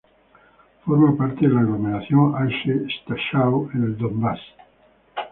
Forma parte de la aglomeración Alchevsk-Stakhanov, en el Donbass.